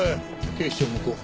警視庁向こう。